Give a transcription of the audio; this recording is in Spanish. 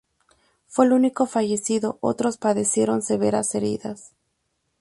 Fue el único fallecido, otros padecieron severas heridas.